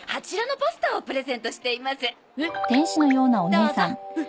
どうぞ。